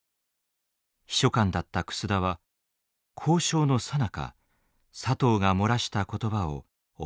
秘書官だった楠田は交渉のさなか佐藤が漏らした言葉を覚えていました。